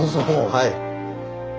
はい。